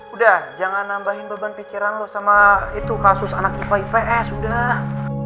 udah jangan nambahin beban pikiran loh sama itu kasus anak ipa ips udah